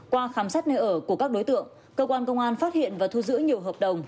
qua khám xét nơi ở của các đối tượng cơ quan công an phát hiện và thu giữ nhiều hợp đồng